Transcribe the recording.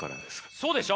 そうでしょ？